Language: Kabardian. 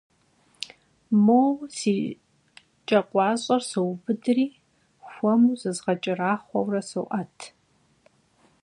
Moue si ç'e khuaş'er soubıdri xuemu zızğeç'eraxhueure so'et.